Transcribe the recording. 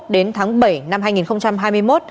đến tháng bảy năm hai nghìn hai mươi một